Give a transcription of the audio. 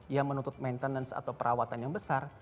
yang menuntut maintenance atau perawatan yang besar